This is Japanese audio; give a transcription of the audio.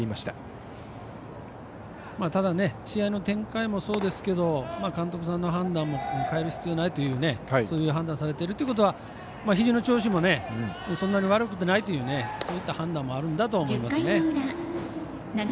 ただ、試合の展開もそうですけど監督さんの判断も代える必要がないとそういう判断をされているということはひじの調子もそんなに悪くないというそういった判断もあるんじゃないかと思います。